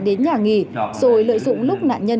đến nhà nghỉ rồi lợi dụng lúc nạn nhân